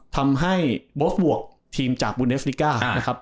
ทำให้บอฟบวกทีมจากเบูเนสลิก้า